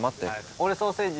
俺ソーセージ。